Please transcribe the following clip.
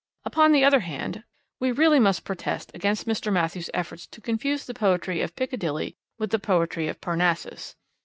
Upon the other hand, we really must protest against Mr. Matthews' efforts to confuse the poetry of Piccadilly with the poetry of Parnassus.